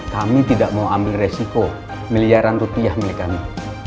kami tidak mau ambil resiko miliaran rupiah milik kami